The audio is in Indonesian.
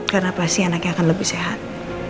karena pasti anaknya akan lebih sehat